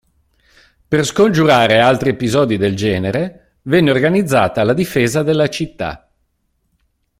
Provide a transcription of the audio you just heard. Per scongiurare altri episodi del genere, venne organizzata la difesa della città.